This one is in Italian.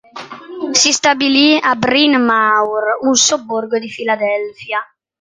Si stabilì a Bryn Mawr, un sobborgo di Filadelfia.